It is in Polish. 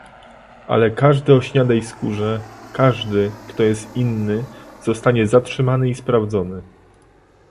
Ale każdy o śniadej skórze, każdy, kto jest inny, zostanie zatrzymany i sprawdzony